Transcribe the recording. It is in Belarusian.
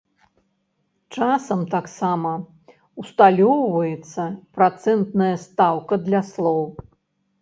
Часам таксама ўсталёўваецца працэнтная стаўка для слоў.